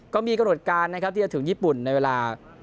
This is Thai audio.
ก็มีกำหนดการนะครับที่จะถึงญี่ปุ่นในเวลา